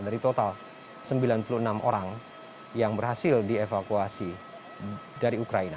dari total sembilan puluh enam orang yang berhasil dievakuasi dari ukraina